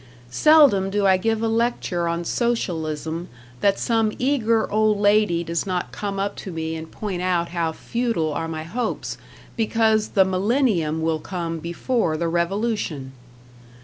Seldom do I give a lecture on Socialism that some eager old lady does not come up to me and point out how futile are my hopes, because the Millenium will come before the Revolution.